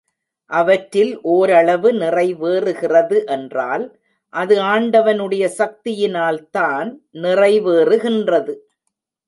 அவற்றில் ஒரளவு நிறைவேறுகிறது என்றால் அது ஆண்டவனுடைய சக்தியினால்தான் நிறைவேறுகின்றது.